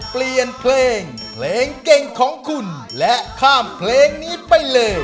เปลี่ยนเพลงเพลงเก่งของคุณและข้ามเพลงนี้ไปเลย